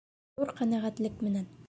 Ҙур ҡәнәғәтлек менән!